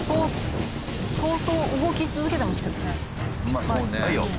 まあそうね。